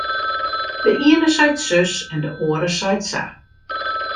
De iene seit sus en de oare seit sa.